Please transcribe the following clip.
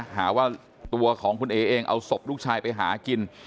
หาว่าตัวของคุณเอ๋เองเอาศพลูกชายไปหากิน